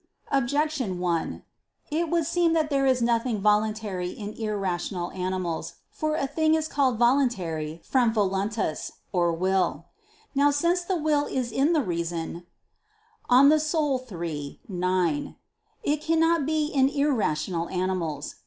Objection 1: It would seem that there is nothing voluntary in irrational animals. For a thing is called "voluntary" from voluntas (will). Now since the will is in the reason (De Anima iii, 9), it cannot be in irrational animals.